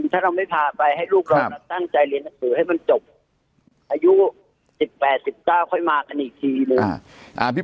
ถ้าไม่พาไปให้ลูกเราน่าตั้งใจเรียนหนังสือให้จบอายุ๑๘๑๙แล้วมากันนนิย่กิน